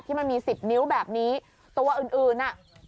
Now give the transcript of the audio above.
ที่มันมีสิบนิ้วแบบนี้ตัวอื่นน่ะ